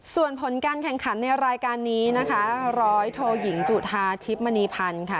ส่วนผลการแข่งขันในรายการนี้นะคะร้อยโทยิงจุธาทิพย์มณีพันธ์ค่ะ